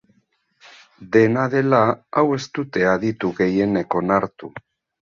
Dena dela, hau ez dute aditu gehienek onartu.